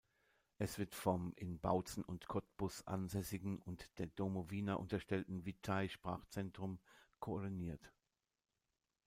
Es wird vom in Bautzen und Cottbus ansässigen und der Domowina unterstellten Witaj-Sprachzentrum koordiniert.